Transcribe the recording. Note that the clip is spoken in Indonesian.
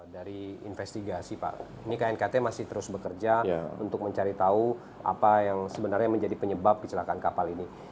dari investigasi pak ini knkt masih terus bekerja untuk mencari tahu apa yang sebenarnya menjadi penyebab kecelakaan kapal ini